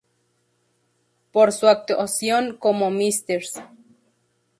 Por su actuación como Mrs.